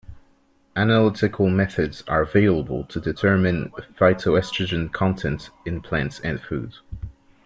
Analytical methods are available to determine phytoestrogen content in plants and food.